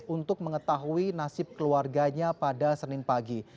untuk mengetahui nasib keluarganya pada senin pagi